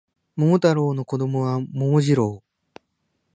桃太郎の子供は桃次郎